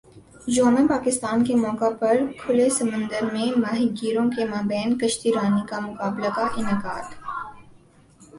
یوم پاکستان کے موقع پر کھلے سمندر میں ماہی گیروں کے مابین کشتی رانی مقابلے کا انعقاد